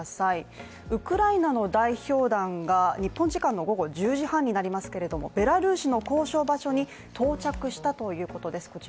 ウクライナの代表団が日本時間の午後１０時半になりますがベラルーシの交渉場所に到着したということです。